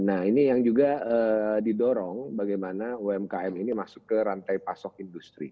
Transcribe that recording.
nah ini yang juga didorong bagaimana umkm ini masuk ke rantai pasok industri